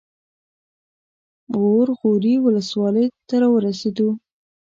غور غوري ولسوالۍ ته راورسېدو.